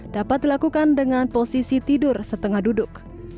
dapat dilakukan dengan posisi tidur setengah duduk